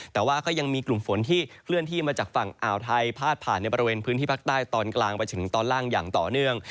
แต่ว่าก็ยังมีกลุ่มฝนที่เคลื่อนที่มาจากฝั่งอ่าวไทยพาดผ่านในบริเวณพื้นที่ภาคใต้ตอนกลางไปถึงตอนล่างอย่างต่อเนื่อง